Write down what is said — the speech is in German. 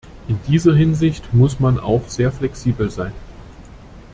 In dieser Hinsicht muss man auch sehr flexibel sein.